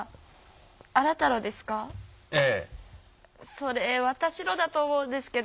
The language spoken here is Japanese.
それ私のだと思うんですけど。